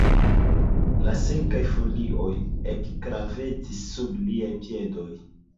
La sekaj folioj ekkraketis sub liaj piedoj.